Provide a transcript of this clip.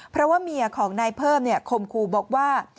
เพราะว่าเมียของนายเพิ่มคมครูบอกว่า